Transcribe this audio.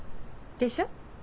でしょ？